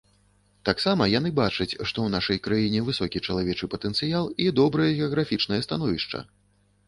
Таксама яны бачаць, што ў нашай краіне высокі чалавечы патэнцыял і добрае геаграфічнае становішча.